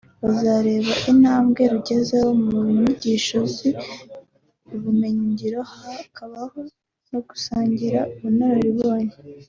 bazareba intambwe rugezeho mu nyigisho z’ubumenyingiro hakabaho no gusangira ubunararibonye